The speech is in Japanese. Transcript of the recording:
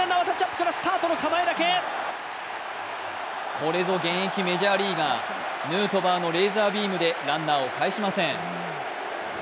これぞ現役メジャーリーガー、ヌートバーのレーザービームでランナーを返しません。